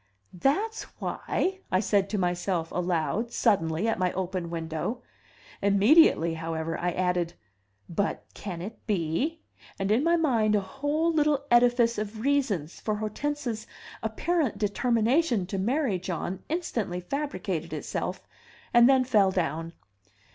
"That's why!" I said to myself aloud, suddenly, at my open window. Immediately, however, I added, "but can it be?" And in my mind a whole little edifice of reasons for Hortense's apparent determination to marry John instantly fabricated itself and then fell down.